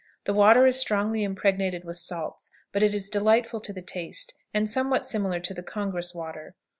The water is strongly impregnated with salts, but is delightful to the taste, and somewhat similar to the Congress water.